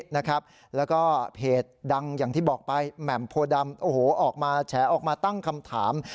แล้วก็เพจดังอย่างที่บอกไปแหม่มโพดำโอ้โหออกมาแฉออกมาตั้งคำถาม